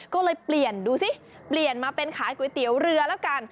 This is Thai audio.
ก็เลยเปลี่ยนดูสิเปลี่ยนมาเป็นขายก๋วยเตี๋ยวเรือแล้วกัน